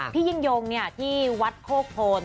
พี่ยิงโยงที่วัดโภคโทร